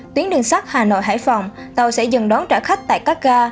tuyến đường sắt hà nội hải phòng tàu sẽ dừng đón trả khách tại các ga